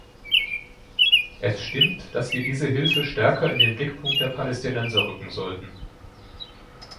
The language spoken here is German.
Es stimmt, dass wir diese Hilfe stärker in den Blickpunkt der Palästinenser rücken sollten.